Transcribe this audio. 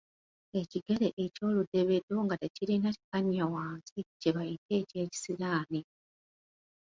Ekigere eky'oludeebeedo nga tekirina kannya wansi kye bayita eky'ekisiraani.